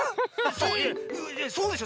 いやそうでしょ？